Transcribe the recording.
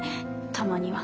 たまには。